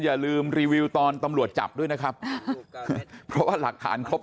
อย่าลืมรีวิวตอนตำรวจจับด้วยนะครับเพราะว่าหลักฐานครบ